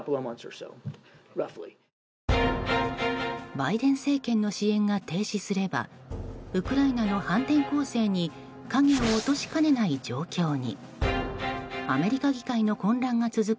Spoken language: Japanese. バイデン政権の支援が停止すればウクライナの反転攻勢に影を落としかねない状況に。